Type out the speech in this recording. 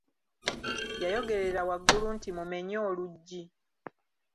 Yayogerera waggulu nti mumenye oluggi!